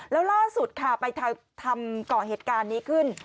แล้วล่าสุดค่ะไปทำก่อเหตุการณ์นี้ขึ้น